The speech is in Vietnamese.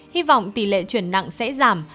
hy vọng tỷ lệ chuyển nặng sẽ giảm